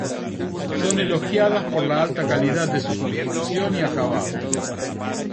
Son elogiadas por la alta calidad de su construcción y acabados.